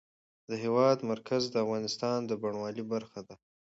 د هېواد مرکز د افغانستان د بڼوالۍ برخه ده.